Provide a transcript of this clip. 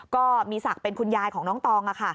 ก็มีศักดิ์เป็นคุณยายของน้องตอง